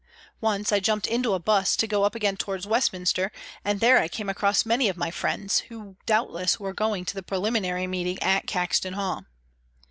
Once I jumped into a 'bus to go up again towards Westminster, and there I came across many of my friends, who doubtless were going to the preliminary meeting at Caxton Hall.